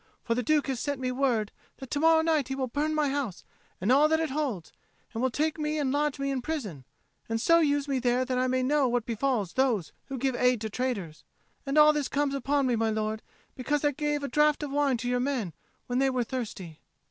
For the Duke has sent me word that to morrow night he will burn my house and all that it holds, and will take me and lodge me in prison, and so use me there that I may know what befalls those who give aid to traitors. And all this comes upon me, my lord, because I gave a draught of wine to your men when they were thirsty."